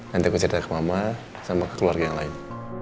nanti aku cerita ke mama sama ke keluarga yang lain